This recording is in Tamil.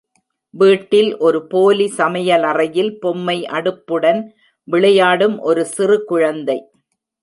வீட்டில் ஒரு போலி சமையலறையில் பொம்மை அடுப்புடன் விளையாடும் ஒரு சிறு குழந்தை